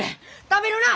食べるな！